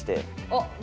あっ！